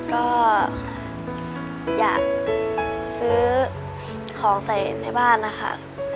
ก็อยากซื้อของใส่ในบ้านนะคะ